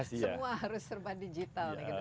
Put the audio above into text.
semuanya terhubung untuk penanian digital